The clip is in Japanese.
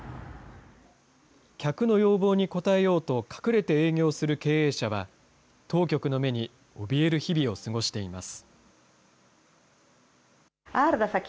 客の要望に応えようと隠れて営業する経営者は、当局の目におびえる日々を過ごしています。